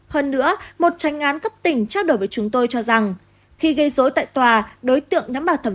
hơn nữa một tranh án cấp tỉnh trao đổi với chúng tôi cho rằng khi gây dối tại tòa